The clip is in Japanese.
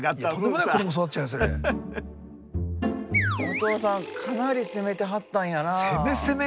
お父さんかなり攻めてはったんやな。